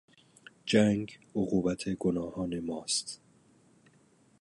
جنگ عقوبت گناهان ما است.